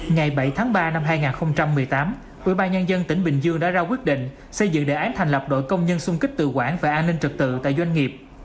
ngày bảy tháng ba năm hai nghìn một mươi tám ủy ban nhân dân tỉnh bình dương đã ra quyết định xây dựng đề án thành lập đổi công nhân sung kích tự quản và an ninh trực tự tại doanh nghiệp